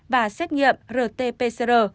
và xét nghiệm rt pcr